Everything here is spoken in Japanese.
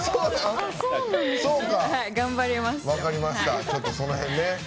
頑張ります。